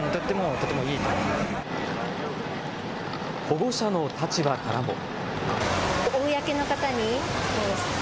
保護者の立場からも。